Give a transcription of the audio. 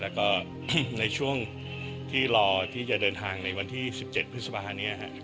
แล้วก็ในช่วงที่รอที่จะเดินทางในวันที่๑๗พฤษภานี้ครับ